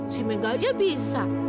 si mega aja bisa